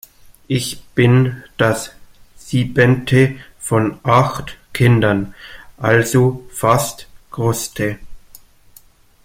Ich bin das siebente von acht Kindern, also fast Kruste.